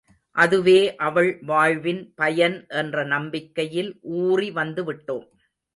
அதுவே அவள் வாழ்வின் பயன் என்ற நம்பிக்கையில் ஊறி வந்துவிட்டோம்.